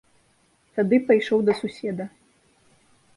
Тады пайшоў да суседа.